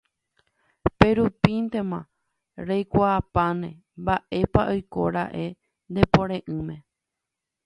pérupintema reikuaapáne mba'épa oikóra'e ne pore'ỹme